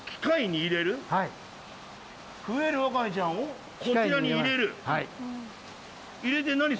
ふえるわかめちゃんをこちらに入れる。